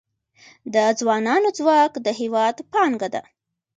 د ځوانانو ځواک د هیواد پانګه ده